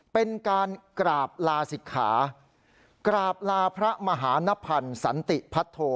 เป็นการกราบลาศิกขากราบลาพระมหานพันธ์สันติพัทโท